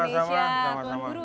di indonesia pak guru